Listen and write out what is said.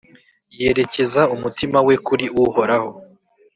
yerekeza umutima we kuri Uhoraho,